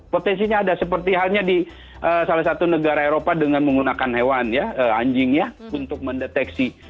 potensinya ada seperti halnya di salah satu negara eropa dengan menggunakan hewan ya anjing ya untuk mendeteksi